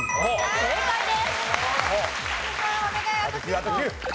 正解です。